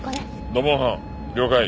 土門班了解。